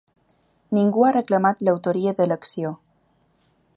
Ningú ha reclamat l’autoria de l’acció.